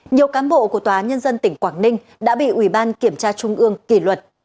nhiều cán bộ của tòa nhân dân tỉnh quảng ninh đã bị ủy ban kiểm tra trung ương kỷ luật